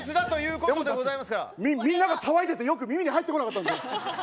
みんなで騒いでてよく耳に入ってこなかったんで。